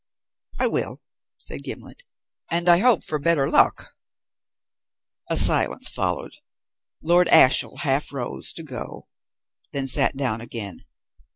"I will," said Gimblet. "And I hope for better luck." A silence followed. Lord Ashiel half rose to go, then sat down again.